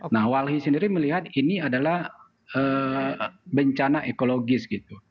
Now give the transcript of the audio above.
nah walhi sendiri melihat ini adalah bencana ekologis gitu